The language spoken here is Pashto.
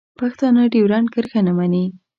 پښتانه ډیورنډ کرښه نه مني.